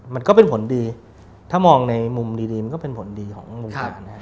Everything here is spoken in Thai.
มันก็เป็นผลดีถ้ามองในมุมดีมันก็เป็นผลดีของวงการ